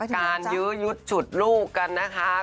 การยืดชุดลูกกันนะคะ